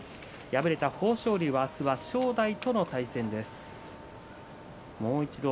敗れた豊昇龍は明日は正代との対戦です。